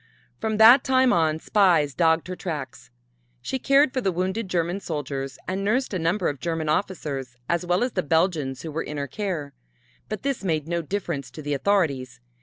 From that time on spies dogged her tracks. She cared for the wounded German soldiers and nursed a number of German officers, as well as the Belgians who were in her care, but this made no difference to the authorities.